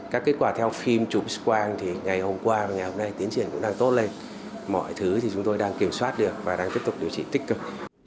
các kết quả theo phim chụp s quang thì ngày hôm qua và ngày hôm nay tiến triển cũng đang tốt lên mọi thứ thì chúng tôi đang kiểm soát được và đang tiếp tục điều trị tích cực